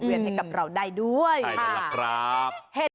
ดอกใหญ่ขายอยู่ที่ราคาดอกละ๒บาท